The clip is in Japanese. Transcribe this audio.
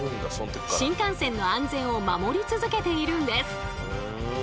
新幹線の安全を守り続けているんです！